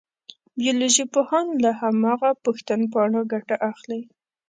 بیولوژي پوهان له هماغه پوښتنپاڼو ګټه اخلي.